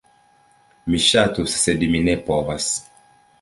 Mi ŝatus, sed mi ne povas.